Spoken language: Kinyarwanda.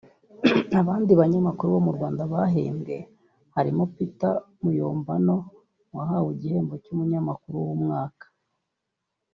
Abandi banyamakuru bo mu Rwanda bahembwe harimo Peter Muyombano wahawe igihembo cy’umunyamakuru w’umwaka